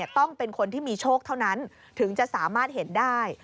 ต้องเป็นคนที่มีโชคเท่านั้นถึงจะสามารถเห็นได้